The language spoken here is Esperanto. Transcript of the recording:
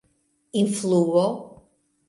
influo